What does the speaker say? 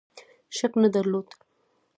شک نه درلود.